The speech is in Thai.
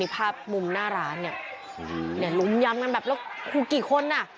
นี่ภาพมุมหน้าร้านเนี่ยอืมเนี่ยรุมย้ำกันแบบแล้วคู่กี่คนน่ะ